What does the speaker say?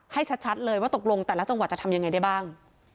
ให้ชัดเลยว่าตกลงแต่ละจังหวัดจะทำยังไงได้บ้าง